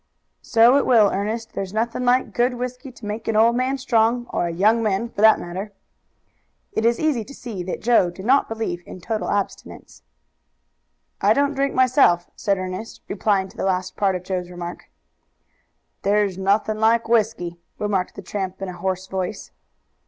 "So it will, Ernest; there's nothing like good whisky to make an old man strong, or a young man, for that matter." It is easy to see that Joe did not believe in total abstinence. "I don't drink myself!" said Ernest, replying to the last part of Joe's remark. "There's nothing like whisky," remarked the tramp in a hoarse voice.